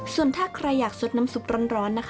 ส่วนถ้าใครอยากซดน้ำซุปร้อนนะคะ